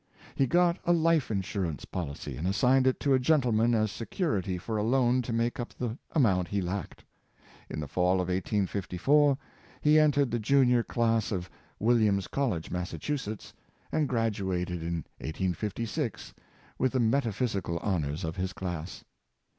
He got a life insurance policy, and assigned it to a gentleman as se curity for a loan to make up the amount he lacked. In the Fall of 1854 he entered the Junior Class of Williams College, Massachusetts, and graduated in 1856, with the metaphysical honors of his class.